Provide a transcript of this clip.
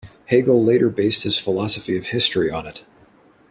Hegel later based his philosophy of history on it.